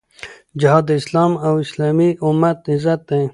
جهاد د اسلام او اسلامي امت عزت دی.